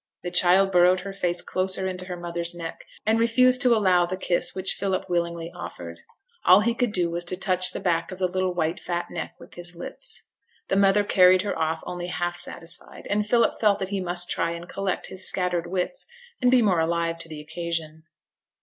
The child burrowed her face closer into her mother's neck, and refused to allow the kiss which Philip willingly offered. All he could do was to touch the back of the little white fat neck with his lips. The mother carried her off only half satisfied, and Philip felt that he must try and collect his scattered wits, and be more alive to the occasion.